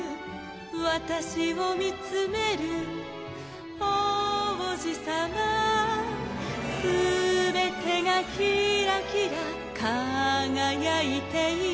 「わたしをみつめるおうじさま」「すべてがキラキラかがやいている」